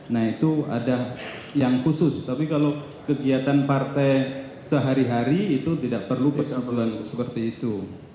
nah itu ada yang khusus tapi kalau kegiatan partai sehari hari itu tidak perlu persatuan seperti itu